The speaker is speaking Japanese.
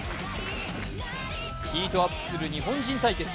ヒートアップする日本人対決